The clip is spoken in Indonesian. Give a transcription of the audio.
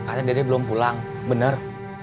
katanya dede belum pulang benar